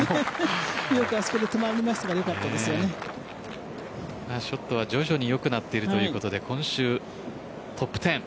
よくあそこで止まりましたからショットは徐々に良くなっているということで今週、トップ１０。